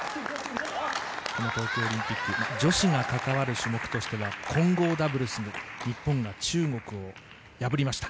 東京オリンピック女子が関わる種目としては混合ダブルスも日本が中国を破りました。